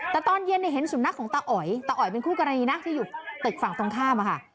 แต่ตอนเย็นเนี่ยเห็นสุนัขของตาอ๋อยตาอ๋อยเป็นคู่กรณีนะที่อยู่ตึกฝั่งตรงข้ามอะค่ะ